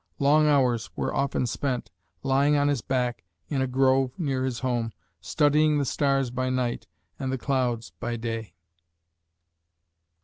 Long hours were often spent, lying on his back in a grove near his home, studying the stars by night and the clouds by day.